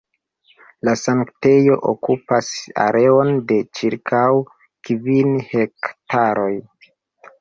La sanktejo okupas areon de ĉirkaŭ kvin hektaroj.